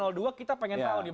kalau dua kita pengen tahu nih